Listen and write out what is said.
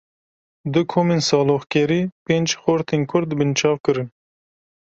Du komên saloxgerî, pênc xortên Kurd binçav kirin